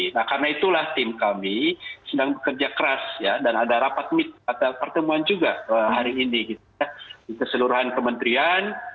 nah karena itulah tim kami sedang bekerja keras dan ada rapat pertemuan juga hari ini di keseluruhan kementerian